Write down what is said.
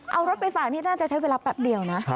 เอารถไปฝากนี่น่าจะใช้เวลาแป๊บเดียวนะ